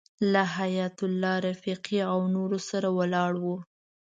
له حیایت الله رفیقي او نورو سره ولاړو.